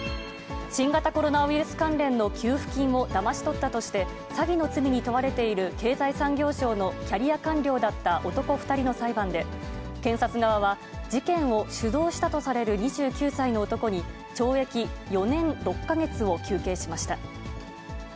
新型コロナウイルス関連の給付金をだまし取ったとして、詐欺の罪に問われている経済産業省のキャリア官僚だった男２人の裁判で、検察側は事件を主導したとされる２９歳の男に、懲役４年６か月を求刑しました。